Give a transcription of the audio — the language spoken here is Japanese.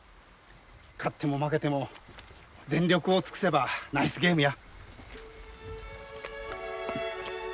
勝っても負けても全力を尽くせばナイスゲームや。